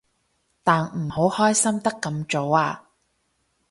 但唔好開心得咁早啊